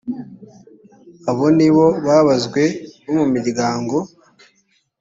abo ni bo babazwe bo mu miryango